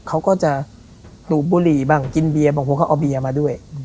เขาก็จะสูบบุหรี่บ้างกินเบียร์บางคนเขาเอาเบียร์มาด้วย